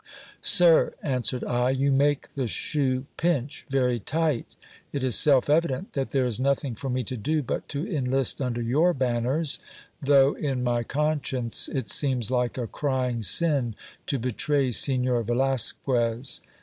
Sir, answered I, you make the shoe pinch very tight ; it is self evident that there is nothing for me to do but to enlist under your banners, though in my conscience it seems like a crying sin to betray Signor Velasquez.